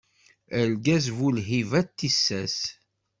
Argaz bu lhiba d tissas.